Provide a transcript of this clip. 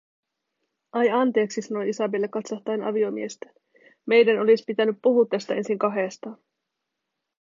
“Ai, anteeksi”, sanoi Isabelle katsahtaen aviomiestään, “meidän olis pitäny puhuu tästä ensin kahestaan.”